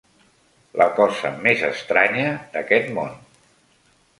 La cosa més estranya d'aquest món